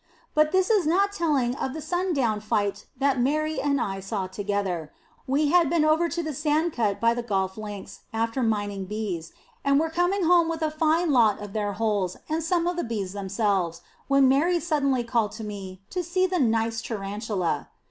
But this is not telling of the sundown fight that Mary and I saw together. We had been over to the sand cut by the golf links, after mining bees, and were coming home with a fine lot of their holes and some of the bees themselves, when Mary suddenly called to me to "see the nice tarantula."